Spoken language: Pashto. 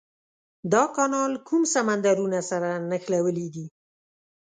دا کانال کوم سمندرونه سره نښلولي دي؟